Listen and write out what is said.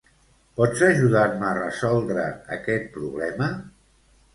Pots ajudar-me a resoldre aquest problema?